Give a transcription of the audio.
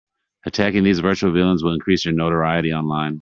Attacking these virtual villains will increase your notoriety online.